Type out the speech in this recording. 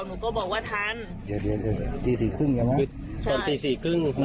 หนูก็บอกว่าทันเดี๋ยวเดี๋ยวเดี๋ยวตีสี่ครึ่งยังไงคือตอนตีสี่ครึ่ง